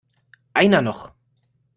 Einer noch!